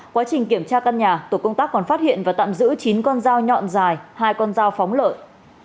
quá trình kiểm tra căn nhà tổ công tác còn phát hiện và tạm giữ chín con dao nhọn dài hai con dao phóng lợn